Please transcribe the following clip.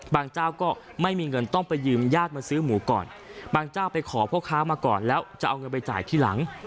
เจ้าก็ไม่มีเงินต้องไปยืมญาติมาซื้อหมูก่อนบางเจ้าไปขอพ่อค้ามาก่อนแล้วจะเอาเงินไปจ่ายทีหลัง